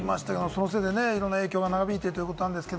そのせいでいろんな影響が長引いているということです。